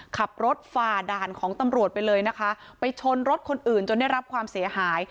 ขับรถฝ่าด่านของตำรวจไปเลยนะคะไปชนรถคนอื่นจนได้รับความเสียหาย